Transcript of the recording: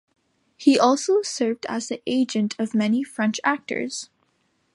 He also served as the agent of many French actors.